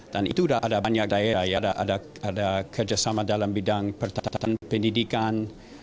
dan itu sudah ada banyak daya ada kerjasama dalam bidang pertatan pendidikan